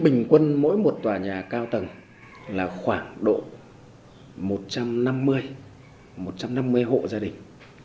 bình quân mỗi một tòa nhà cao tầng là khoảng độ một trăm năm mươi một trăm năm mươi hộ gia đình